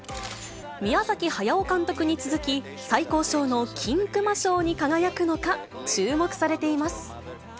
宮崎駿監督に続き、最高賞の金熊賞に輝くのか、注目されています。